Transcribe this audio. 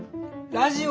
ラジオ。